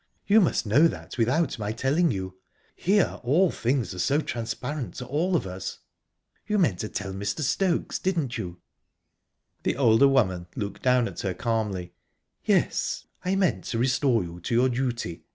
"You must know that without my telling you. Here all things are so transparent to all of us." "You meant to tell Mr. Stokes, didn't you?" The older woman looked down at her calmly. "Yes, I meant to restore you to your duty.